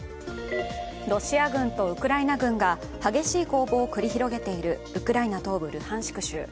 ロシア軍とウクライナ軍が激しい攻防を繰り広げているウクライナ東部ルハンシク州。